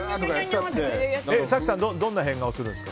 早紀さんどんな変顔するんですか。